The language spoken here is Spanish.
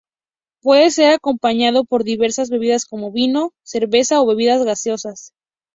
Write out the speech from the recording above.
Puede ser acompañado por diversas bebidas como vino, cerveza o bebidas gaseosas.